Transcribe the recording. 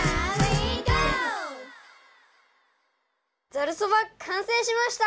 ざるそばかんせいしました！